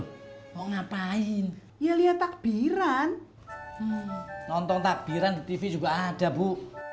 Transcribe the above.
hai mau ngapain ya lihat takbiran nonton takbiran tv juga ada bu